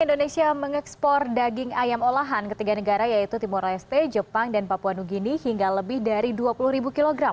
indonesia mengekspor daging ayam olahan ke tiga negara yaitu timur leste jepang dan papua new guinea hingga lebih dari dua puluh kg